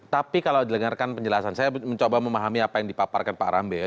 tapi kalau didengarkan penjelasan saya mencoba memahami apa yang dipaparkan pak rambe ya